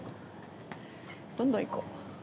どんどんいこう。